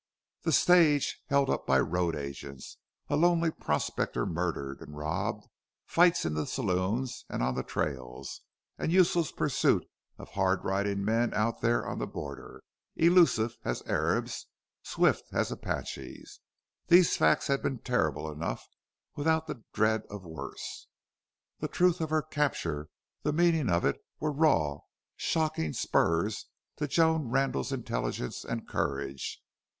The stage held up by roadagents, a lonely prospector murdered and robbed, fights in the saloons and on the trails, and useless pursuit of hardriding men out there on the border, elusive as Arabs, swift as Apaches these facts had been terrible enough, without the dread of worse. The truth of her capture, the meaning of it, were raw, shocking spurs to Joan Randle's intelligence and courage.